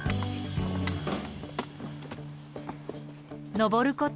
登ること